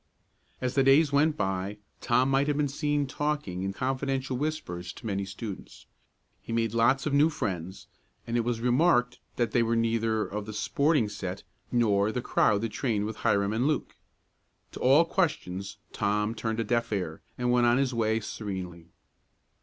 As the days went by, Tom might have been seen talking in confidential whispers to many students. He made lots of new friends, and it was remarked that they were neither of the "sporting set," nor the crowd that trained with Hiram and Luke. To all questions Tom turned a deaf ear, and went on his way serenely.